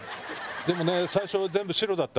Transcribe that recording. でもね最初全部白だったのよ。